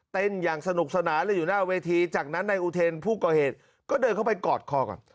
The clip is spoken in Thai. อย่างสนุกสนานเลยอยู่หน้าเวทีจากนั้นนายอุเทนผู้ก่อเหตุก็เดินเข้าไปกอดคอก่อน